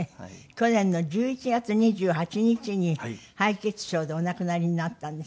去年の１１月２８日に敗血症でお亡くなりになったんです。